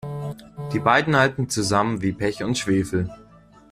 Die beiden halten zusammen wie Pech und Schwefel.